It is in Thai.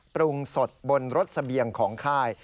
ปรุงสดบนรถเสบียงของค่าย